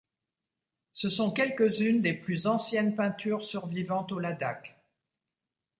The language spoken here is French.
Ce sont quelques-unes des plus anciennes peintures survivantes au Ladakh.